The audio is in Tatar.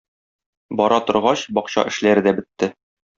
Бара торгач бакча эшләре дә бетте.